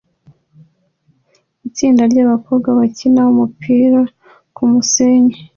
Itsinda ryabakobwa bakina umupira kumusenyi